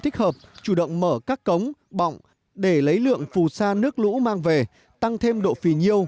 thích hợp chủ động mở các cống bọng để lấy lượng phù sa nước lũ mang về tăng thêm độ phì nhiêu